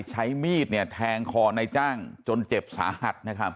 ใช้มีดเนี่ยแทงคอในจ้างจนเจ็บสาหัสนะครับ